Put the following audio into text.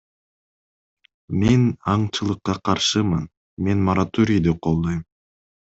Мен аңчылыкка каршымын, мен мораторийди колдойм.